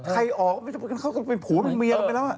แต่ใครออกเขาก็เป็นผู้แล้วก็เมียกันไปแล้วอ่ะ